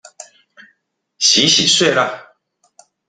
洗洗睡了